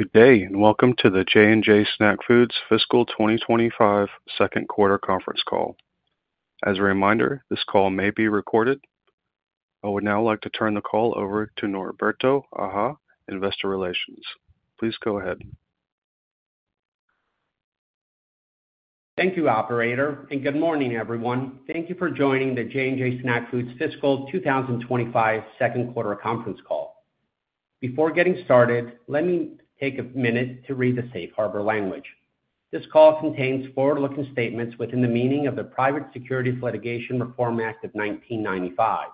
Good day, and welcome to the J&J Snack Foods Fiscal 2025 Second Quarter Conference Call. As a reminder, this call may be recorded. I would now like to turn the call over to Norberto Aja, Investor Relations. Please go ahead. Thank you, Operator, and good morning, everyone. Thank you for joining the J&J Snack Foods Fiscal 2025 Second Quarter Conference Call. Before getting started, let me take a minute to read the safe harbor language. This call contains forward-looking statements within the meaning of the Private Securities Litigation Reform Act of 1995.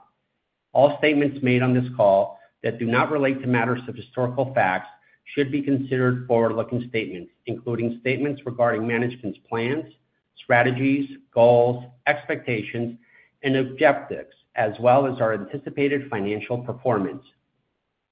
All statements made on this call that do not relate to matters of historical facts should be considered forward-looking statements, including statements regarding management's plans, strategies, goals, expectations, and objectives, as well as our anticipated financial performance.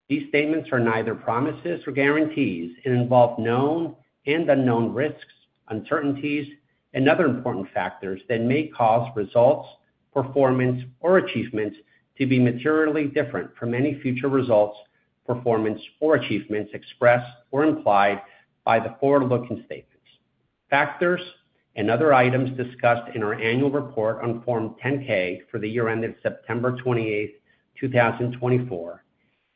These statements are neither promises nor guarantees and involve known and unknown risks, uncertainties, and other important factors that may cause results, performance, or achievements to be materially different from any future results, performance, or achievements expressed or implied by the forward-looking statements. Factors and other items discussed in our annual report on Form 10-K for the year ended September 28th, 2024,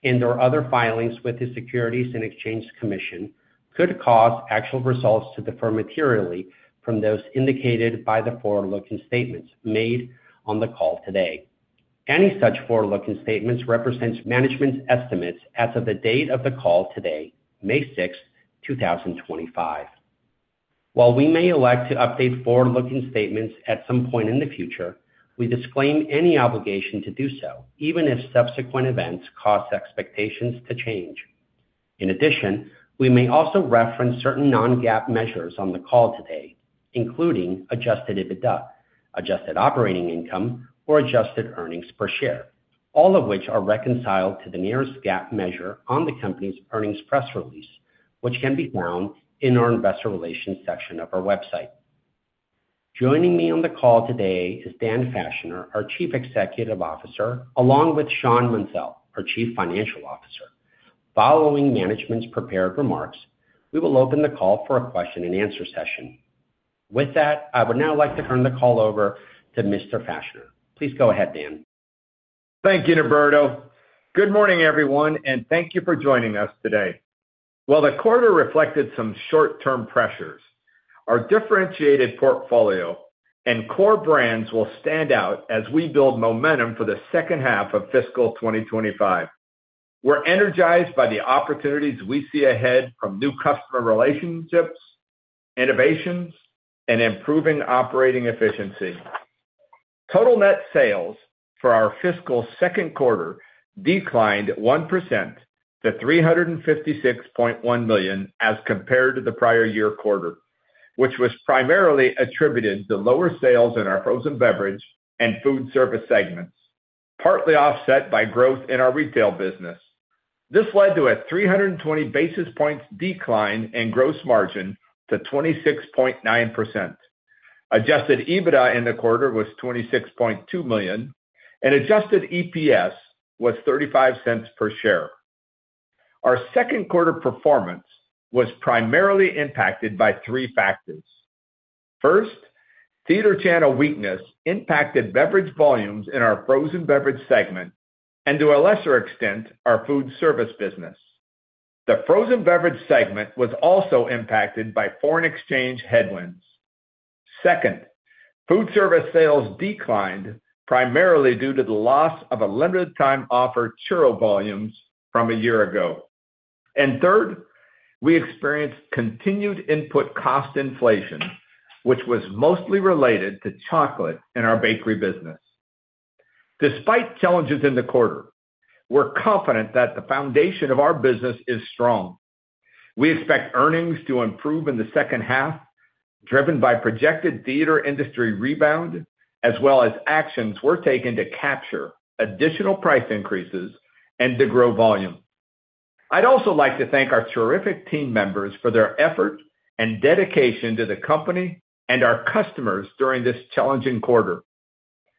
and/or other filings with the Securities and Exchange Commission could cause actual results to differ materially from those indicated by the forward-looking statements made on the call today. Any such forward-looking statements represent management's estimates as of the date of the call today, May 6, 2025. While we may elect to update forward-looking statements at some point in the future, we disclaim any obligation to do so, even if subsequent events cause expectations to change. In addition, we may also reference certain non-GAAP measures on the call today, including Adjusted EBITDA, adjusted operating income, or adjusted earnings per share, all of which are reconciled to the nearest GAAP measure on the company's earnings press release, which can be found in our Investor Relations section of our website. Joining me on the call today is Dan Fachner, our Chief Executive Officer, along with Shawn Munsell, our Chief Financial Officer. Following management's prepared remarks, we will open the call for a question-and-answer session. With that, I would now like to turn the call over to Mr. Fachner. Please go ahead, Dan. Thank you, Norberto. Good morning, everyone, and thank you for joining us today. While the quarter reflected some short-term pressures, our differentiated portfolio and core brands will stand out as we build momentum for the second half of fiscal 2025. We're energized by the opportunities we see ahead from new customer relationships, innovations, and improving operating efficiency. Total net sales for our fiscal second quarter declined 1% to $356.1 million as compared to the prior year quarter, which was primarily attributed to lower sales in our frozen beverage and food service segments, partly offset by growth in our retail business. This led to a 320 basis points decline in gross margin to 26.9%. Adjusted EBITDA in the quarter was $26.2 million, and adjusted EPS was $0.35 per share. Our second quarter performance was primarily impacted by three factors. First, theater channel weakness impacted beverage volumes in our frozen beverage segment and, to a lesser extent, our food service business. The frozen beverage segment was also impacted by foreign exchange headwinds. Second, food service sales declined primarily due to the loss of a limited-time offer churro volumes from a year ago. Third, we experienced continued input cost inflation, which was mostly related to chocolate in our bakery business. Despite challenges in the quarter, we're confident that the foundation of our business is strong. We expect earnings to improve in the second half, driven by projected theater industry rebound, as well as actions we're taking to capture additional price increases and to grow volume. I'd also like to thank our terrific team members for their effort and dedication to the company and our customers during this challenging quarter.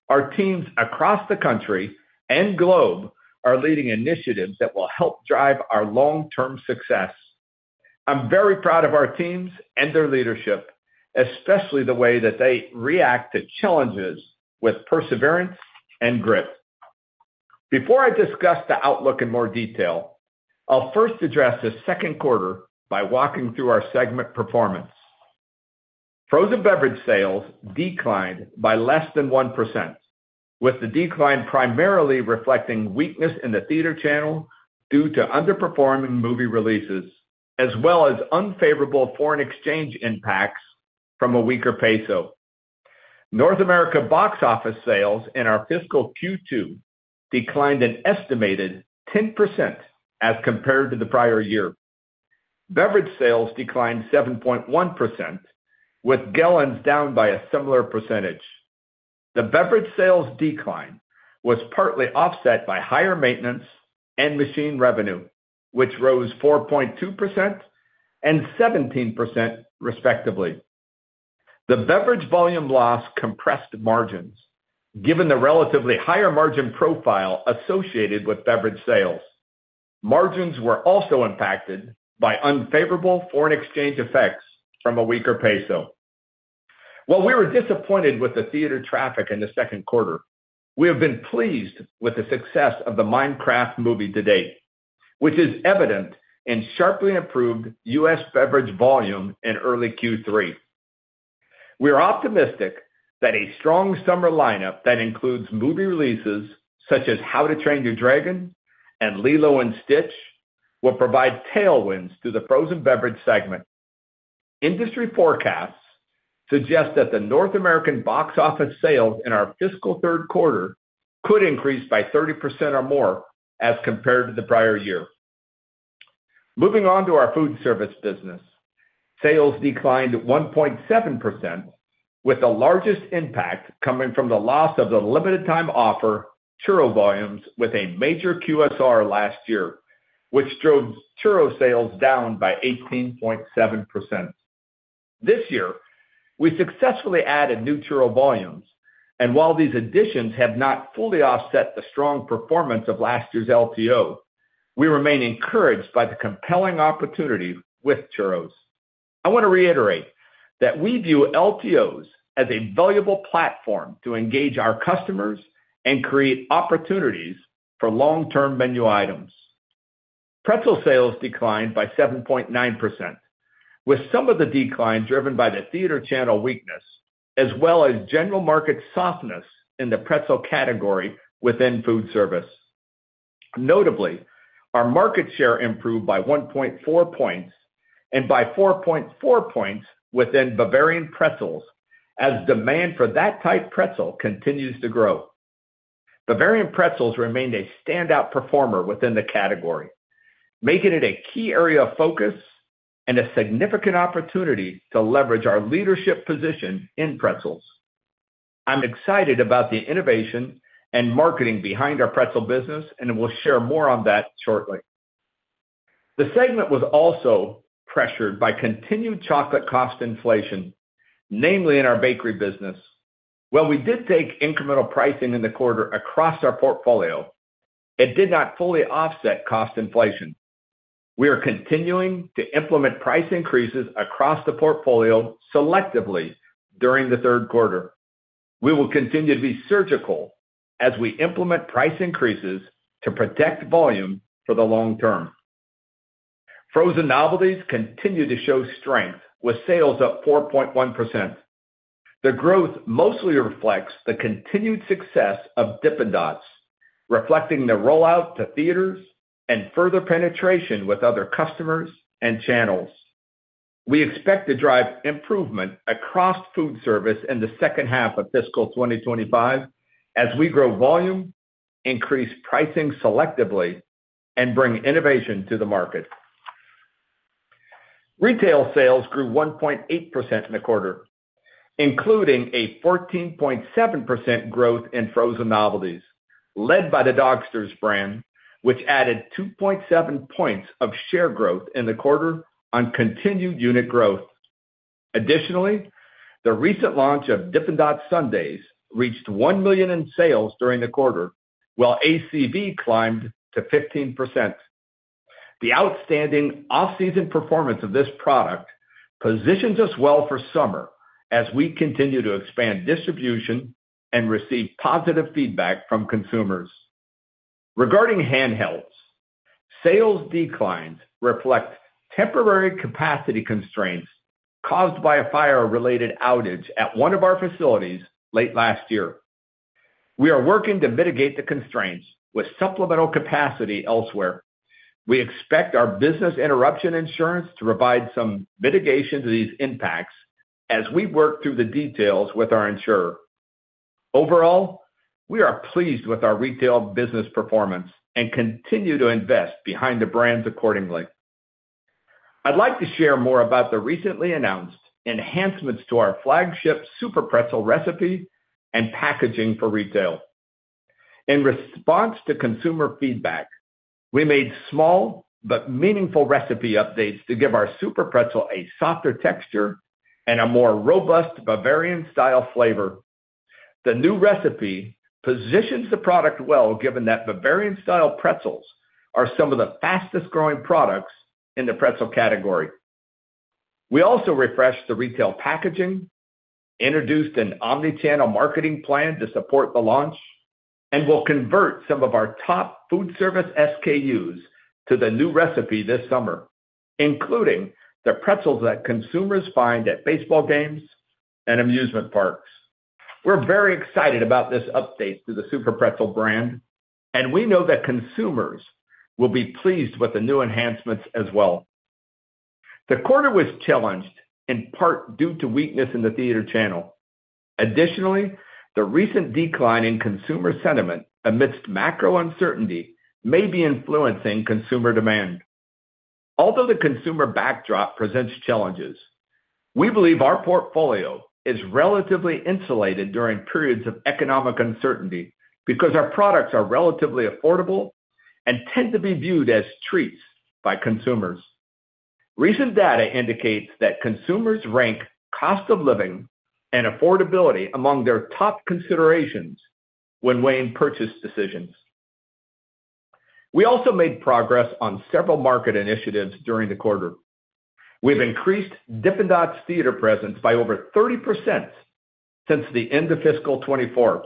Our teams across the country and globe are leading initiatives that will help drive our long-term success. I'm very proud of our teams and their leadership, especially the way that they react to challenges with perseverance and grit. Before I discuss the outlook in more detail, I'll first address the second quarter by walking through our segment performance. Frozen beverage sales declined by less than 1%, with the decline primarily reflecting weakness in the theater channel due to underperforming movie releases, as well as unfavorable foreign exchange impacts from a weaker peso. North America box office sales in our fiscal Q2 declined an estimated 10% as compared to the prior year. Beverage sales declined 7.1%, with gallons down by a similar percentage. The beverage sales decline was partly offset by higher maintenance and machine revenue, which rose 4.2% and 17%, respectively. The beverage volume loss compressed margins, given the relatively higher margin profile associated with beverage sales. Margins were also impacted by unfavorable foreign exchange effects from a weaker peso. While we were disappointed with the theater traffic in the second quarter, we have been pleased with the success of the Minecraft movie to date, which is evident in sharply improved U.S. beverage volume in early Q3. We are optimistic that a strong summer lineup that includes movie releases such as How to Train Your Dragon and Lilo & Stitch will provide tailwinds to the frozen beverage segment. Industry forecasts suggest that the North American box office sales in our fiscal third quarter could increase by 30% or more as compared to the prior year. Moving on to our food service business, sales declined 1.7%, with the largest impact coming from the loss of the limited-time offer churro volumes with a major QSR last year, which drove churro sales down by 18.7%. This year, we successfully added new churro volumes, and while these additions have not fully offset the strong performance of last year's LTO, we remain encouraged by the compelling opportunity with churros. I want to reiterate that we view LTOs as a valuable platform to engage our customers and create opportunities for long-term menu items. Pretzel sales declined by 7.9%, with some of the decline driven by the theater channel weakness, as well as general market softness in the pretzel category within food service. Notably, our market share improved by 1.4 percentage points and by 4.4 percentage points within Bavarian pretzels as demand for that type pretzel continues to grow. Bavarian pretzels remained a standout performer within the category, making it a key area of focus and a significant opportunity to leverage our leadership position in pretzels. I'm excited about the innovation and marketing behind our pretzel business, and we'll share more on that shortly. The segment was also pressured by continued chocolate cost inflation, namely in our bakery business. While we did take incremental pricing in the quarter across our portfolio, it did not fully offset cost inflation. We are continuing to implement price increases across the portfolio selectively during the third quarter. We will continue to be surgical as we implement price increases to protect volume for the long term. Frozen novelties continue to show strength, with sales up 4.1%. The growth mostly reflects the continued success of Dippin' Dots, reflecting the rollout to theaters and further penetration with other customers and channels. We expect to drive improvement across food service in the second half of fiscal 2025 as we grow volume, increase pricing selectively, and bring innovation to the market. Retail sales grew 1.8% in the quarter, including a 14.7% growth in frozen novelties, led by the Dogsters brand, which added 2.7 percentage points of share growth in the quarter on continued unit growth. Additionally, the recent launch of Dippin' Dots Sundaes reached $1 million in sales during the quarter, while ACV climbed to 15%. The outstanding off-season performance of this product positions us well for summer as we continue to expand distribution and receive positive feedback from consumers. Regarding handhelds, sales declines reflect temporary capacity constraints caused by a fire-related outage at one of our facilities late last year. We are working to mitigate the constraints with supplemental capacity elsewhere. We expect our business interruption insurance to provide some mitigation to these impacts as we work through the details with our insurer. Overall, we are pleased with our retail business performance and continue to invest behind the brands accordingly. I'd like to share more about the recently announced enhancements to our flagship SUPERPRETZEL recipe and packaging for retail. In response to consumer feedback, we made small but meaningful recipe updates to give our SUPERPRETZEL a softer texture and a more robust Bavarian-style flavor. The new recipe positions the product well, given that Bavarian-style pretzels are some of the fastest-growing products in the pretzel category. We also refreshed the retail packaging, introduced an omnichannel marketing plan to support the launch, and will convert some of our top food service SKUs to the new recipe this summer, including the pretzels that consumers find at baseball games and amusement parks. We're very excited about this update to the SUPERPRETZEL brand, and we know that consumers will be pleased with the new enhancements as well. The quarter was challenged in part due to weakness in the theater channel. Additionally, the recent decline in consumer sentiment amidst macro uncertainty may be influencing consumer demand. Although the consumer backdrop presents challenges, we believe our portfolio is relatively insulated during periods of economic uncertainty because our products are relatively affordable and tend to be viewed as treats by consumers. Recent data indicates that consumers rank cost of living and affordability among their top considerations when weighing purchase decisions. We also made progress on several market initiatives during the quarter. We've increased Dippin' Dots theater presence by over 30% since the end of fiscal 2024.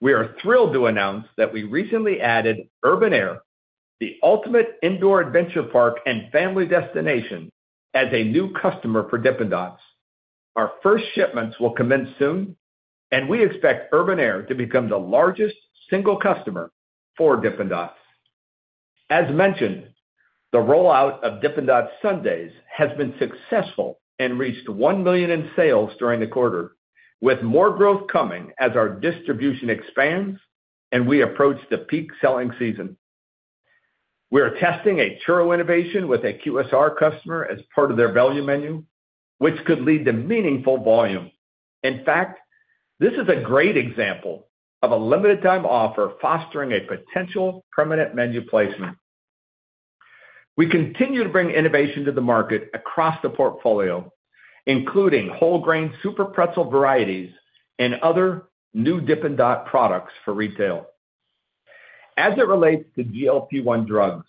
We are thrilled to announce that we recently added Urban Air, the ultimate indoor adventure park and family destination, as a new customer for Dippin' Dots. Our first shipments will commence soon, and we expect Urban Air to become the largest single customer for Dippin' Dots. As mentioned, the rollout of Dippin' Dots Sundaes has been successful and reached $1 million in sales during the quarter, with more growth coming as our distribution expands and we approach the peak selling season. We are testing a churro innovation with a QSR customer as part of their value menu, which could lead to meaningful volume. In fact, this is a great example of a limited-time offer fostering a potential permanent menu placement. We continue to bring innovation to the market across the portfolio, including whole grain SUPERPRETZEL varieties and other new Dippin' Dots products for retail. As it relates to GLP-1 drugs,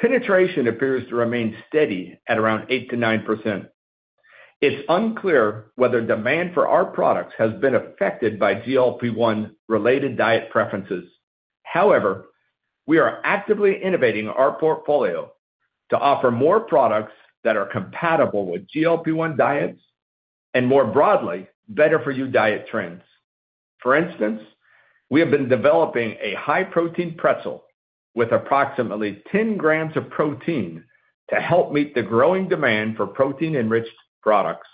penetration appears to remain steady at around 8%-9%. It's unclear whether demand for our products has been affected by GLP-1-related diet preferences. However, we are actively innovating our portfolio to offer more products that are compatible with GLP-1 diets and, more broadly, better-for-you diet trends. For instance, we have been developing a high-protein pretzel with approximately 10 grams of protein to help meet the growing demand for protein-enriched products.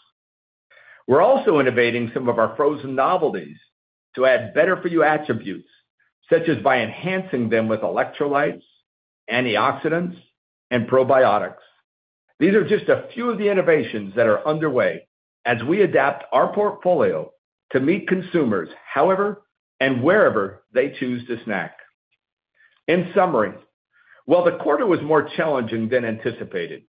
We're also innovating some of our frozen novelties to add better-for-you attributes, such as by enhancing them with electrolytes, antioxidants, and probiotics. These are just a few of the innovations that are underway as we adapt our portfolio to meet consumers however and wherever they choose to snack. In summary, while the quarter was more challenging than anticipated,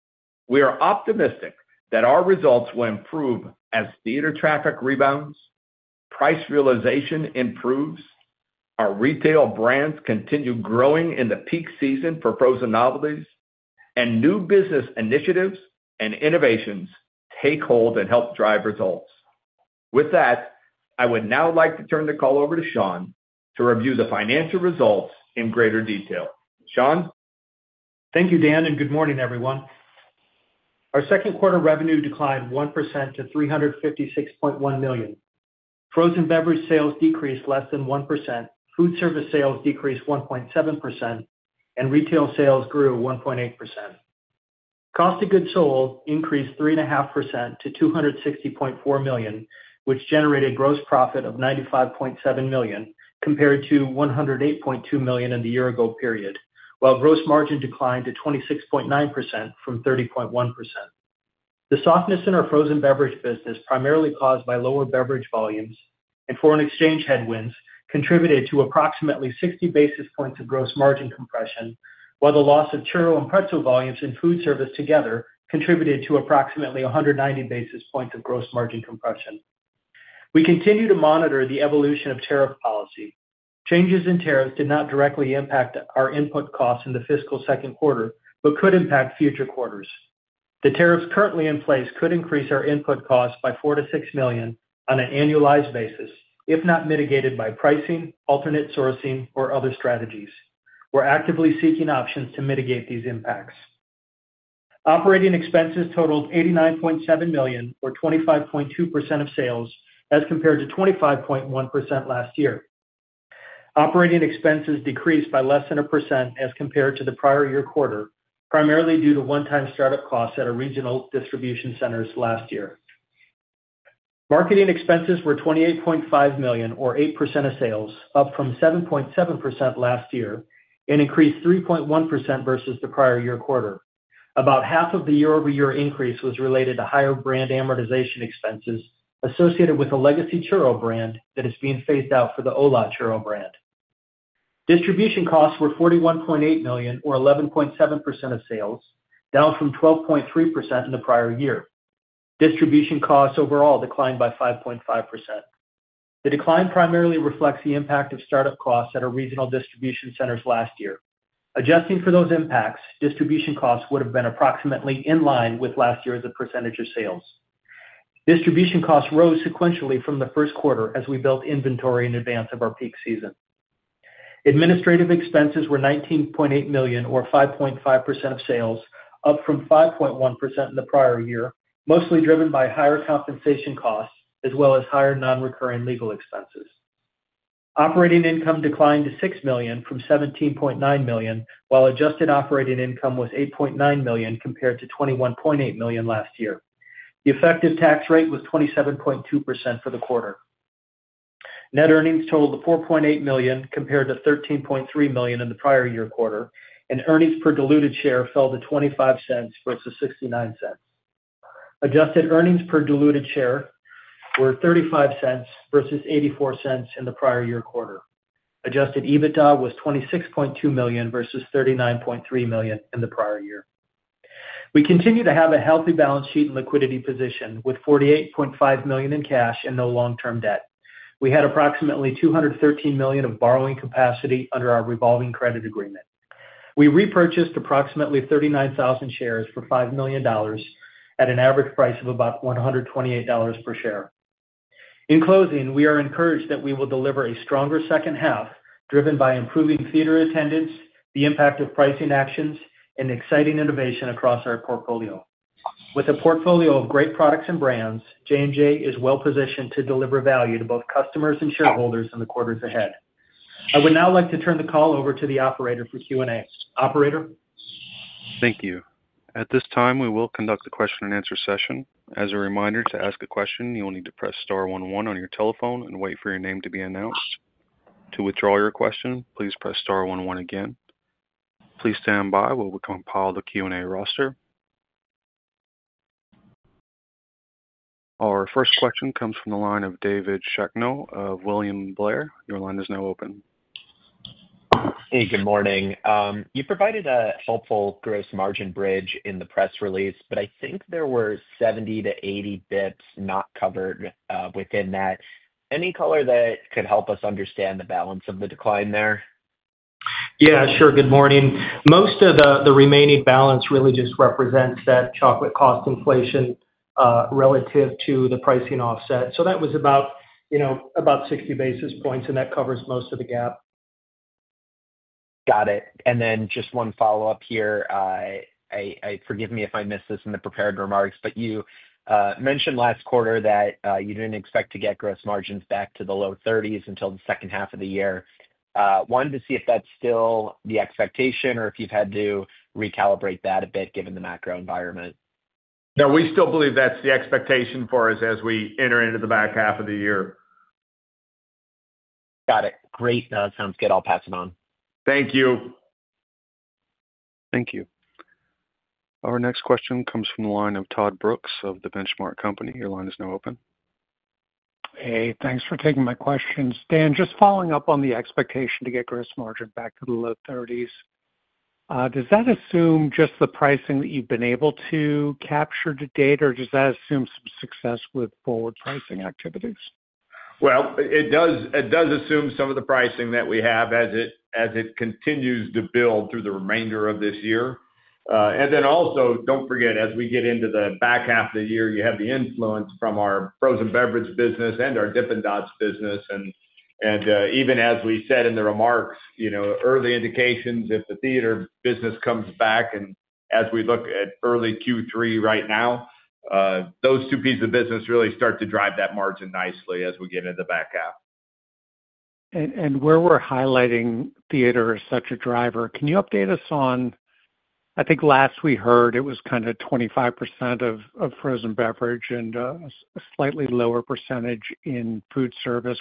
we are optimistic that our results will improve as theater traffic rebounds, price realization improves, our retail brands continue growing in the peak season for frozen novelties, and new business initiatives and innovations take hold and help drive results. With that, I would now like to turn the call over to Shawn to review the financial results in greater detail. Shawn? Thank you, Dan, and good morning, everyone. Our second quarter revenue declined 1% to $356.1 million. Frozen beverage sales decreased less than 1%, food service sales decreased 1.7%, and retail sales grew 1.8%. Cost of goods sold increased 3.5% to $260.4 million, which generated gross profit of $95.7 million compared to $108.2 million in the year-ago period, while gross margin declined to 26.9% from 30.1%. The softness in our frozen beverage business, primarily caused by lower beverage volumes and foreign exchange headwinds, contributed to approximately 60 basis points of gross margin compression, while the loss of churro and pretzel volumes in food service together contributed to approximately 190 basis points of gross margin compression. We continue to monitor the evolution of tariff policy. Changes in tariffs did not directly impact our input costs in the fiscal second quarter, but could impact future quarters. The tariffs currently in place could increase our input costs by $4 million-$6 million on an annualized basis, if not mitigated by pricing, alternate sourcing, or other strategies. We're actively seeking options to mitigate these impacts. Operating expenses totaled $89.7 million, or 25.2% of sales, as compared to 25.1% last year. Operating expenses decreased by less than a percent as compared to the prior year quarter, primarily due to one-time startup costs at our regional distribution centers last year. Marketing expenses were $28.5 million, or 8% of sales, up from 7.7% last year and increased 3.1% versus the prior year quarter. About half of the year-over-year increase was related to higher brand amortization expenses associated with a legacy churro brand that is being phased out for the Ola churro brand. Distribution costs were $41.8 million, or 11.7% of sales, down from 12.3% in the prior year. Distribution costs overall declined by 5.5%. The decline primarily reflects the impact of startup costs at our regional distribution centers last year. Adjusting for those impacts, distribution costs would have been approximately in line with last year as a percentage of sales. Distribution costs rose sequentially from the first quarter as we built inventory in advance of our peak season. Administrative expenses were $19.8 million, or 5.5% of sales, up from 5.1% in the prior year, mostly driven by higher compensation costs as well as higher non-recurring legal expenses. Operating income declined to $6 million from $17.9 million, while adjusted operating income was $8.9 million compared to $21.8 million last year. The effective tax rate was 27.2% for the quarter. Net earnings totaled $4.8 million compared to $13.3 million in the prior year quarter, and earnings per diluted share fell to $0.25 versus $0.69. Adjusted earnings per diluted share were $0.35 versus $0.84 in the prior year quarter. Adjusted EBITDA was $26.2 million versus $39.3 million in the prior year. We continue to have a healthy balance sheet and liquidity position with $48.5 million in cash and no long-term debt. We had approximately $213 million of borrowing capacity under our revolving credit agreement. We repurchased approximately 39,000 shares for $5 million at an average price of about $128 per share. In closing, we are encouraged that we will deliver a stronger second half driven by improving theater attendance, the impact of pricing actions, and exciting innovation across our portfolio. With a portfolio of great products and J&J Snack Foods is well-positioned to deliver value to both customers and shareholders in the quarters ahead. I would now like to turn the call over to the operator for Q&A. Operator? Thank you. At this time, we will conduct the question-and-answer session. As a reminder, to ask a question, you will need to press star one one on your telephone and wait for your name to be announced. To withdraw your question, please press star one one again. Please stand by while we compile the Q&A roster. Our first question comes from the line of David Shakno of William Blair. Your line is now open. Hey, good morning. You provided a helpful gross margin bridge in the press release, but I think there were 70-80 basis points not covered within that. Any color that could help us understand the balance of the decline there? Yeah, sure. Good morning. Most of the remaining balance really just represents that chocolate cost inflation relative to the pricing offset. So that was about 60 basis points, and that covers most of the gap. Got it. And then just one follow-up here. Forgive me if I missed this in the prepared remarks, but you mentioned last quarter that you did not expect to get gross margins back to the low 30s until the second half of the year. Wanted to see if that is still the expectation or if you have had to recalibrate that a bit given the macro environment. No, we still believe that is the expectation for us as we enter into the back half of the year. Got it. Great. That sounds good. I will pass it on. Thank you. Thank you. Our next question comes from the line of Todd Brooks of The Benchmark Company. Your line is now open. Hey, thanks for taking my questions. Dan, just following up on the expectation to get gross margin back to the low 30s, does that assume just the pricing that you've been able to capture to date, or does that assume some success with forward pricing activities? It does assume some of the pricing that we have as it continues to build through the remainder of this year. Also, do not forget, as we get into the back half of the year, you have the influence from our frozen beverage business and our Dippin' Dots business. Even as we said in the remarks, early indications if the theater business comes back, and as we look at early Q3 right now, those two pieces of business really start to drive that margin nicely as we get into the back half. Where we're highlighting theater as such a driver, can you update us on, I think last we heard it was kind of 25% of frozen beverage and a slightly lower percentage in food service.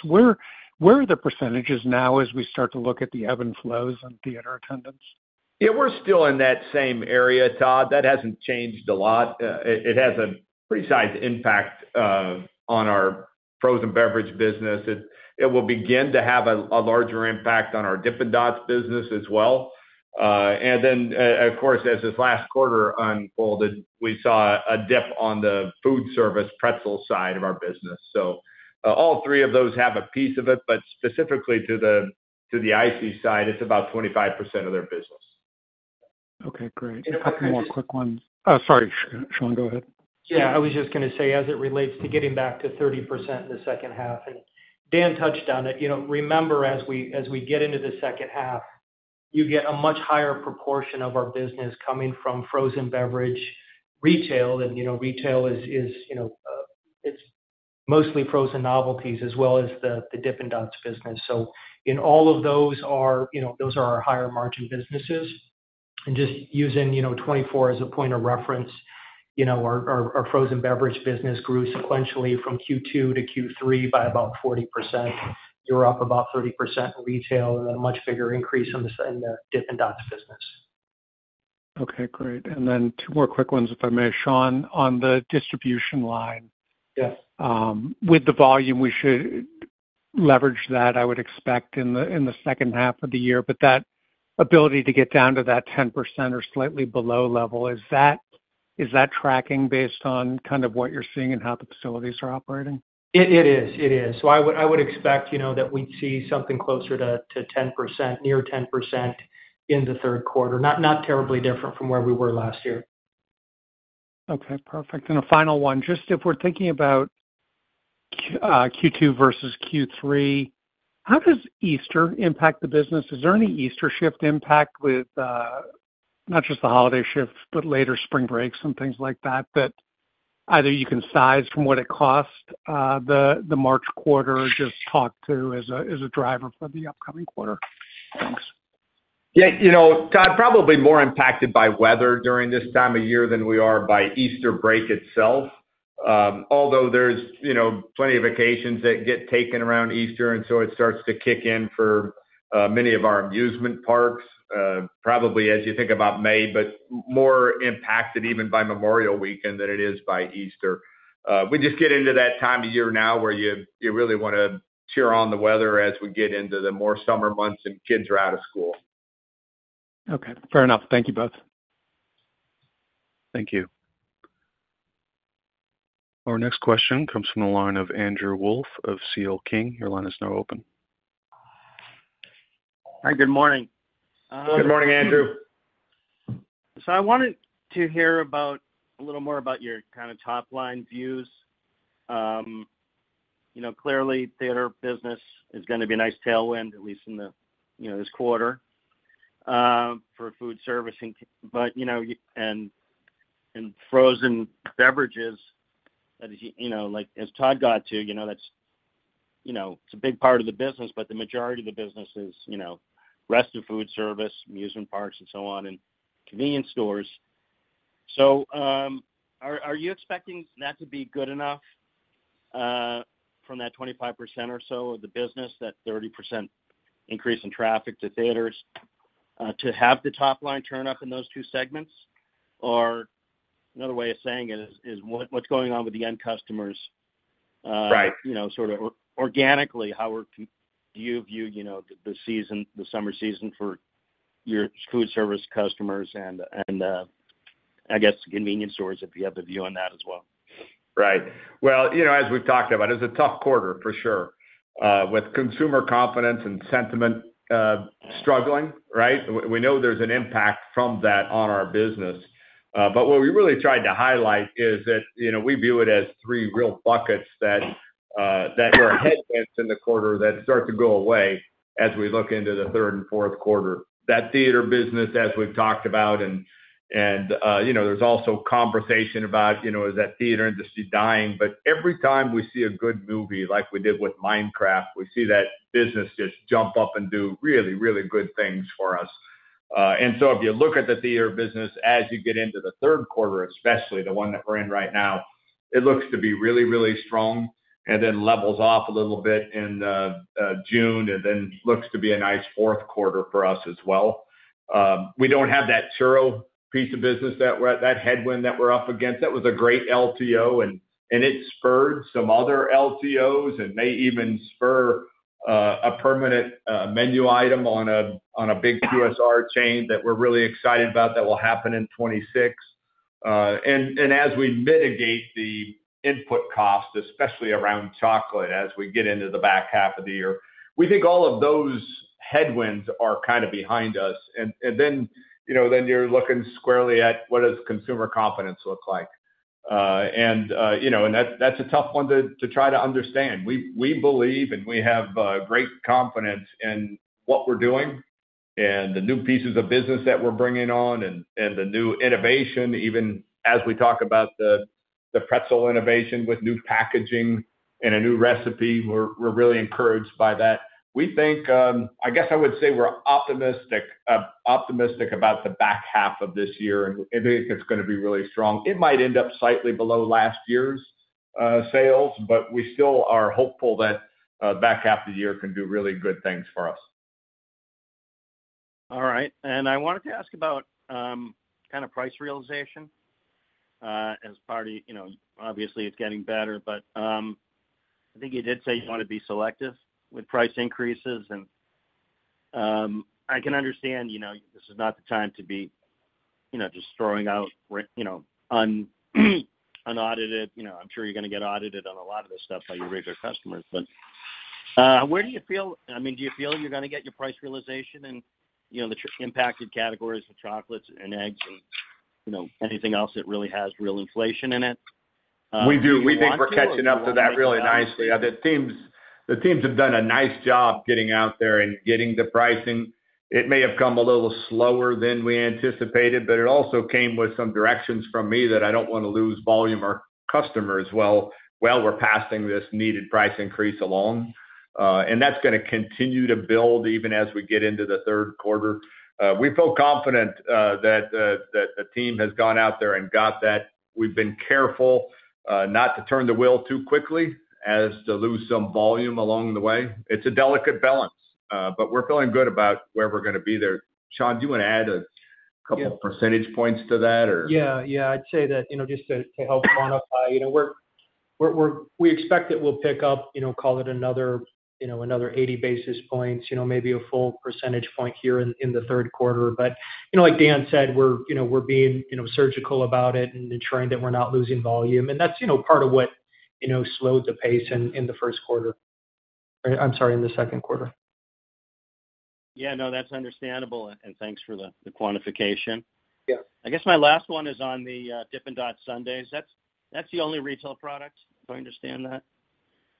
Where are the percentages now as we start to look at the ebb and flows in theater attendance? Yeah, we're still in that same area, Todd. That hasn't changed a lot. It has a pretty sized impact on our frozen beverage business. It will begin to have a larger impact on our Dippin' Dots business as well. Of course, as this last quarter unfolded, we saw a dip on the food service pretzel side of our business. All three of those have a piece of it, but specifically to the icy side, it's about 25% of their business. Okay, great. A couple more quick ones. Oh, sorry, Shawn, go ahead. Yeah, I was just going to say, as it relates to getting back to 30% in the second half, and Dan touched on it. Remember, as we get into the second half, you get a much higher proportion of our business coming from frozen beverage retail, and retail is mostly frozen novelties as well as the Dippin' Dots business. In all of those, those are our higher margin businesses. Just using 2024 as a point of reference, our frozen beverage business grew sequentially from Q2 to Q3 by about 40%. You're up about 30% in retail and a much bigger increase in the Dippin' Dots business. Okay, great. Two more quick ones, if I may, Shawn, on the distribution line. With the volume, we should leverage that, I would expect, in the second half of the year, but that ability to get down to that 10% or slightly below level, is that tracking based on kind of what you're seeing and how the facilities are operating? It is. It is. I would expect that we'd see something closer to 10%, near 10% in the third quarter, not terribly different from where we were last year. Okay, perfect. A final one, just if we're thinking about Q2 versus Q3, how does Easter impact the business? Is there any Easter shift impact with not just the holiday shifts, but later spring breaks and things like that that either you can size from what it costs the March quarter or just talk to as a driver for the upcoming quarter? Thanks. Yeah, Todd, probably more impacted by weather during this time of year than we are by Easter break itself. Although there's plenty of vacations that get taken around Easter, and so it starts to kick in for many of our amusement parks, probably as you think about May, but more impacted even by Memorial Weekend than it is by Easter. We just get into that time of year now where you really want to cheer on the weather as we get into the more summer months and kids are out of school. Okay, fair enough. Thank you both. Thank you. Our next question comes from the line of Andrew Wolf of C.L. King. Your line is now open. Hi, good morning. Good morning, Andrew. So I wanted to hear a little more about your kind of top-line views. Clearly, theater business is going to be a nice tailwind, at least in this quarter, for food servicing. In frozen beverages, as Todd got to, that's a big part of the business, but the majority of the business is rest of food service, amusement parks, and so on, and convenience stores. Are you expecting that to be good enough from that 25% or so of the business, that 30% increase in traffic to theaters, to have the top-line turn up in those two segments? Another way of saying it is what's going on with the end customers, sort of organically, how do you view the summer season for your food service customers and, I guess, convenience stores if you have a view on that as well? Right. As we've talked about, it's a tough quarter, for sure, with consumer confidence and sentiment struggling, right? We know there's an impact from that on our business. What we really tried to highlight is that we view it as three real buckets that were headwinds in the quarter that start to go away as we look into the third and fourth quarter. That theater business, as we've talked about, and there's also conversation about, is that theater industry dying? Every time we see a good movie, like we did with Minecraft, we see that business just jump up and do really, really good things for us. If you look at the theater business, as you get into the third quarter, especially the one that we're in right now, it looks to be really, really strong and then levels off a little bit in June and then looks to be a nice fourth quarter for us as well. We do not have that churro piece of business, that headwind that we are up against. That was a great LTO, and it spurred some other LTOs and may even spur a permanent menu item on a big QSR chain that we are really excited about that will happen in 2026. As we mitigate the input cost, especially around chocolate as we get into the back half of the year, we think all of those headwinds are kind of behind us. You are looking squarely at what does consumer confidence look like? That is a tough one to try to understand. We believe and we have great confidence in what we are doing and the new pieces of business that we are bringing on and the new innovation, even as we talk about the pretzel innovation with new packaging and a new recipe, we are really encouraged by that. We think, I guess I would say we're optimistic about the back half of this year, and I think it's going to be really strong. It might end up slightly below last year's sales, but we still are hopeful that back half of the year can do really good things for us. All right. I wanted to ask about kind of price realization as part of, obviously, it's getting better, but I think you did say you want to be selective with price increases. I can understand this is not the time to be just throwing out unaudited. I'm sure you're going to get audited on a lot of this stuff by your regular customers. Where do you feel, I mean, do you feel you're going to get your price realization in the impacted categories of chocolates and eggs and anything else that really has real inflation in it? We do. We think we're catching up to that really nicely. The teams have done a nice job getting out there and getting the pricing. It may have come a little slower than we anticipated, but it also came with some directions from me that I don't want to lose volume or customers while we're passing this needed price increase along. That's going to continue to build even as we get into the third quarter. We feel confident that the team has gone out there and got that. We've been careful not to turn the wheel too quickly as to lose some volume along the way. It's a delicate balance, but we're feeling good about where we're going to be there. Shawn, do you want to add a couple of percentage points to that, or? Yeah, yeah. I'd say that just to help quantify, we expect it will pick up, call it another 80 basis points, maybe a full percentage point here in the third quarter. Like Dan said, we're being surgical about it and ensuring that we're not losing volume. That's part of what slowed the pace in the first quarter. I'm sorry, in the second quarter. Yeah, no, that's understandable. Thanks for the quantification. I guess my last one is on the Dippin' Dots Sundaes. That's the only retail product, if I understand that.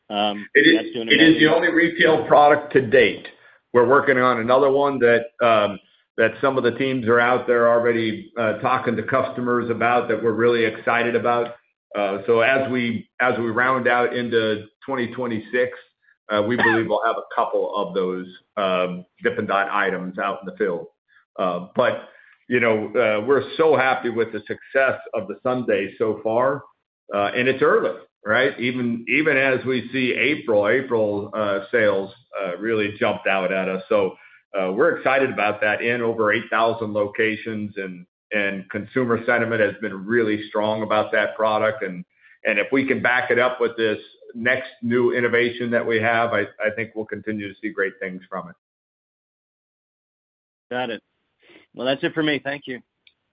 That's doing okay. It is the only retail product to date. We're working on another one that some of the teams are out there already talking to customers about that we're really excited about. As we round out into 2026, we believe we'll have a couple of those Dippin' Dots items out in the field. We're so happy with the success of the Sundae so far, and it's early, right? Even as we see April, April sales really jumped out at us. We're excited about that in over 8,000 locations, and consumer sentiment has been really strong about that product. If we can back it up with this next new innovation that we have, I think we'll continue to see great things from it. Got it. That's it for me. Thank you.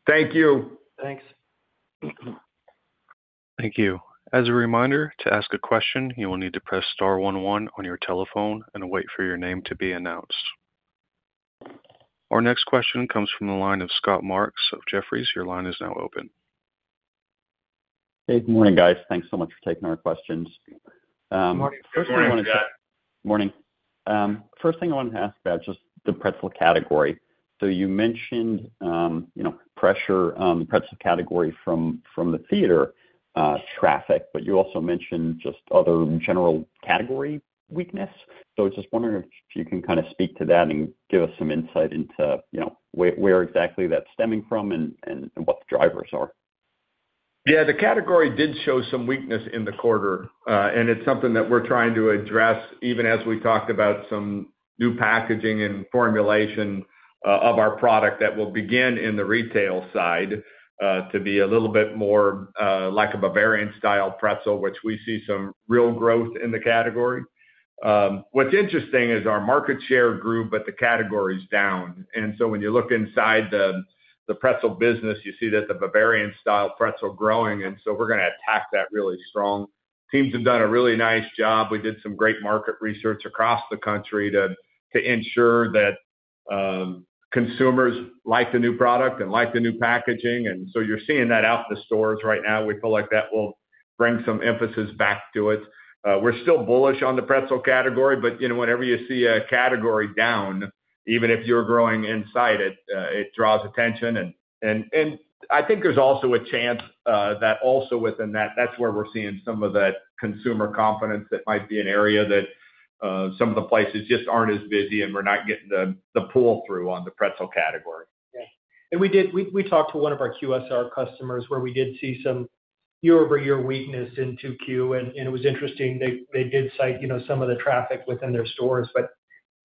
Thank you. Thanks. Thank you. As a reminder, to ask a question, you will need to press star one one on your telephone and wait for your name to be announced. Our next question comes from the line of Scott Marks of Jefferies. Your line is now open. Hey, good morning, guys. Thanks so much for taking our questions. Good morning, Scott. Good morning. First thing I wanted to ask about just the pretzel category. You mentioned pressure on the pretzel category from the theater traffic, but you also mentioned just other general category weakness. I was just wondering if you can kind of speak to that and give us some insight into where exactly that's stemming from and what the drivers are. Yeah, the category did show some weakness in the quarter, and it's something that we're trying to address, even as we talked about some new packaging and formulation of our product that will begin in the retail side to be a little bit more like a Bavarian-style pretzel, which we see some real growth in the category. What's interesting is our market share grew, but the category's down. When you look inside the pretzel business, you see that the Bavarian-style pretzel is growing, and we're going to attack that really strong. Teams have done a really nice job. We did some great market research across the country to ensure that consumers like the new product and like the new packaging. You're seeing that out in the stores right now. We feel like that will bring some emphasis back to it. We're still bullish on the pretzel category, but whenever you see a category down, even if you're growing inside it, it draws attention. I think there's also a chance that also within that, that's where we're seeing some of that consumer confidence. It might be an area that some of the places just aren't as busy, and we're not getting the pull-through on the pretzel category. Yeah. We talked to one of our QSR customers where we did see some year-over-year weakness in 2Q, and it was interesting. They did cite some of the traffic within their stores, but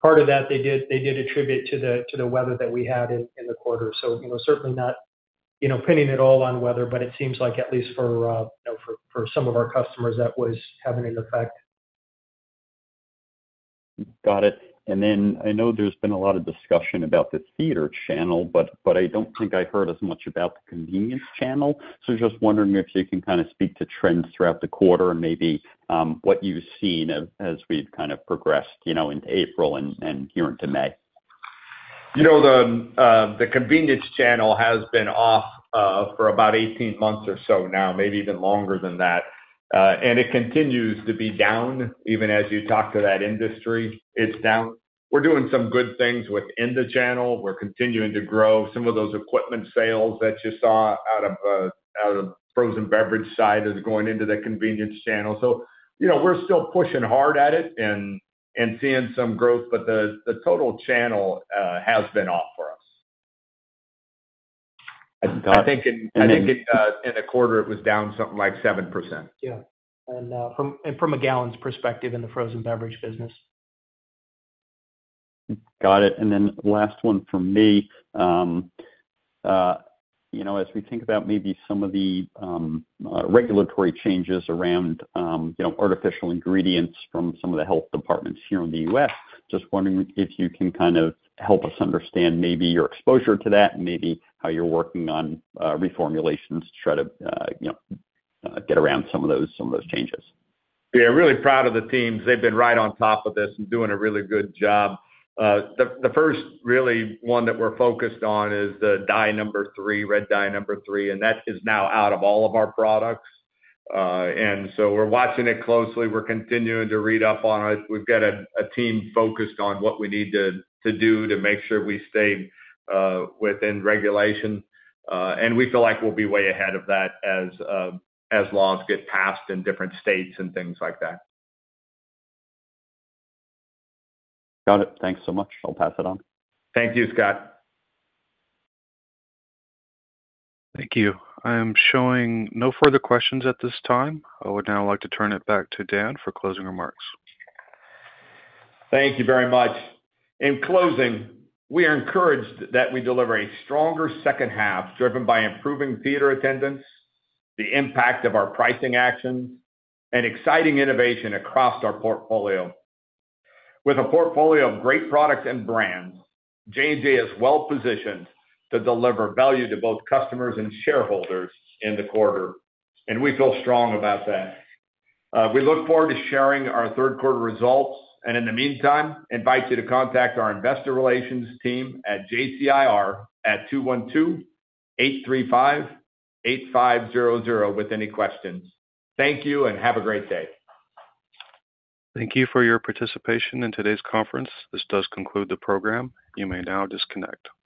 part of that they did attribute to the weather that we had in the quarter. Certainly not pinning it all on weather, but it seems like, at least for some of our customers, that was having an effect. Got it. I know there has been a lot of discussion about the theater channel, but I do not think I heard as much about the convenience channel. I am just wondering if you can kind of speak to trends throughout the quarter and maybe what you have seen as we have kind of progressed into April and here into May. The convenience channel has been off for about 18 months or so now, maybe even longer than that. It continues to be down, even as you talk to that industry. We are doing some good things within the channel. We are continuing to grow. Some of those equipment sales that you saw out of the frozen beverage side are going into the convenience channel. We are still pushing hard at it and seeing some growth, but the total channel has been off for us. I think in the quarter, it was down something like 7%. Yeah. From a gallons perspective in the frozen beverage business. Got it. Last one for me, as we think about maybe some of the regulatory changes around artificial ingredients from some of the health departments here in the U.S., just wondering if you can kind of help us understand maybe your exposure to that and maybe how you're working on reformulations to try to get around some of those changes. Yeah, really proud of the teams. They've been right on top of this and doing a really good job. The first really one that we're focused on is the dye number three, red dye number three, and that is now out of all of our products. We're watching it closely. We're continuing to read up on it. We've got a team focused on what we need to do to make sure we stay within regulation. We feel like we'll be way ahead of that as laws get passed in different states and things like that. Got it. Thanks so much. I'll pass it on. Thank you, Scott. Thank you. I am showing no further questions at this time. I would now like to turn it back to Dan for closing remarks. Thank you very much. In closing, we are encouraged that we deliver a stronger second half driven by improving theater attendance, the impact of our pricing actions, and exciting innovation across our portfolio. With a portfolio of great products J&J is well-positioned to deliver value to both customers and shareholders in the quarter, and we feel strong about that. We look forward to sharing our third quarter results, and in the meantime, invite you to contact our investor relations team at JCIR at 212-835-8500 with any questions. Thank you, and have a great day. Thank you for your participation in today's conference. This does conclude the program. You may now disconnect.